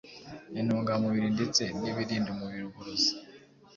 intungamubiri ndetse n’ibirinda umubiri uburozi